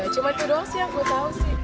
cuma itu saja yang saya tahu